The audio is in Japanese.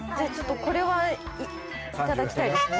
これはいただきたいですね。